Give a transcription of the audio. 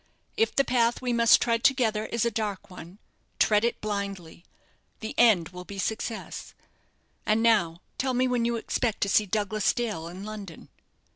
If the path we must tread together is a dark one, tread it blindly. The end will be success. And now tell me when you expect to see Douglas Dale in London."